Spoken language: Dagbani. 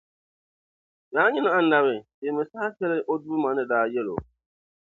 Yaa nyini Annabi! Teemi saha shεli o Duuma ni daa yεli o: